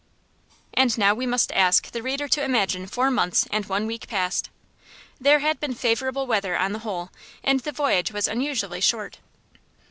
And now we must ask the reader to imagine four months and one week passed. There had been favorable weather on the whole, and the voyage was unusually short.